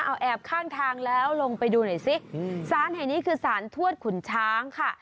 เอาแอบข้างทางแล้วลงไปดูหน่อยสิสารแห่งนี้คือสารทวดขุนช้างค่ะ